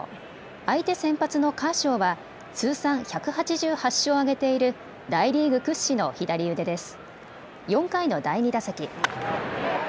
相手先発のカーショーは通算１８８勝を挙げている大リーグ屈指の左腕です。